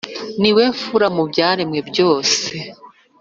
ni we mfura mu byaremwe byose